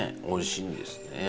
おいしいんですね